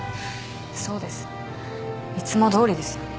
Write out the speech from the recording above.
そうです。いつもどおりですよ。